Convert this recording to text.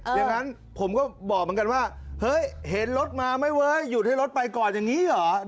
อย่างนั้นผมก็บอกเหมือนกันว่าเฮ้ยเห็นรถมาไหมเว้ยหยุดให้รถไปก่อนอย่างนี้เหรอ